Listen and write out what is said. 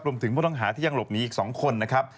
ผู้ต้องหาที่ยังหลบหนีอีก๒คนนะครับ